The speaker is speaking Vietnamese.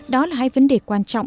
đó là hai vấn đề quan trọng